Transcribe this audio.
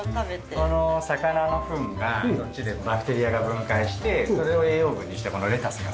この魚のフンがそっちでバクテリアが分解してそれを栄養分にしてこのレタスが育つっていう。